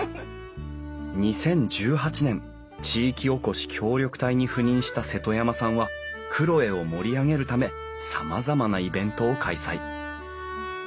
２０１８年地域おこし協力隊に赴任した瀬戸山さんは黒江を盛り上げるためさまざまなイベントを開催。